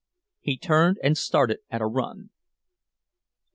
He turned and started at a run.